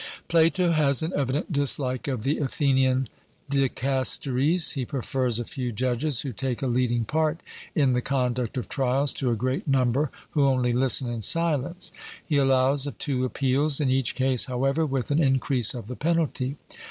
Plato has an evident dislike of the Athenian dicasteries; he prefers a few judges who take a leading part in the conduct of trials to a great number who only listen in silence. He allows of two appeals in each case however with an increase of the penalty.